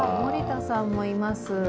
森田さんもいます。